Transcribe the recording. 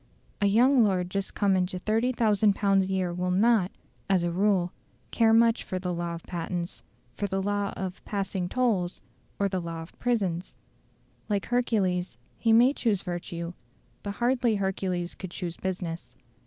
A young lord just come into 30,000 pounds a year will not, as a rule, care much for the law of patents, for the law of "passing tolls," or the law of prisons. Like Hercules, he may choose virtue, but hardly Hercules could choose business.